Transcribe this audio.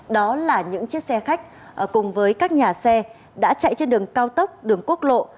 đó là những chiếc xe khách cùng với các nhà xe đã chạy trên đường cao tốc đường quốc lộ